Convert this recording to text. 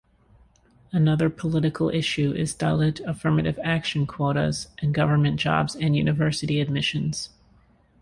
Another political issue is Dalit affirmative-action quotas in government jobs and university admissions.